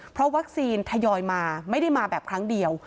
เพราะวัคซีนทยอยมาไม่ได้มาแบบครั้งเดียว